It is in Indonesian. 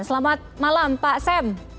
selamat malam pak sam